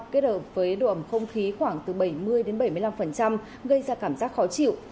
kết hợp với độ ẩm không khí khoảng từ bảy mươi bảy mươi năm gây ra cảm giác khó chịu